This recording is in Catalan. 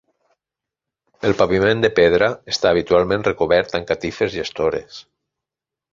El paviment de pedra està habitualment recobert amb catifes i estores.